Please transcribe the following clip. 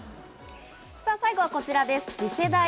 最後はこちらです。